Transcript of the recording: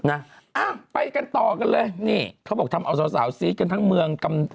อ่ะไปกันต่อกันเลยนี่เขาบอกทำเอาสาวซีดกันทั้งเมือง